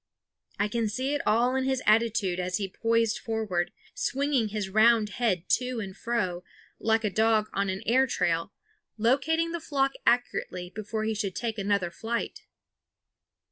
I could see it all in his attitude as he poised forward, swinging his round head to and fro, like a dog on an air trail, locating the flock accurately before he should take another flight.